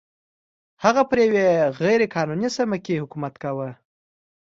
هغه پر یوې غیر قانوني سیمه کې حکومت کاوه.